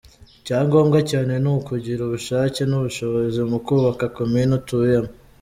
Icyangombwa cyane ni ukugira ubushake n’ubushobozi mu kubaka komini utuyemo.